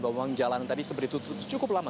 memang jalanan tadi seperti itu cukup lama